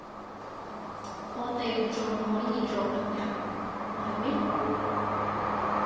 我哋都仲可以做朋友，唔係咩？